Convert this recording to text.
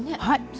はい。